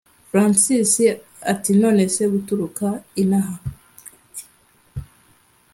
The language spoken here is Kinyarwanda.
francis ati”nonese guturuka inaha